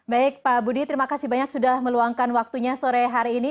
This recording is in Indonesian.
baik pak budi terima kasih banyak sudah meluangkan waktunya sore hari ini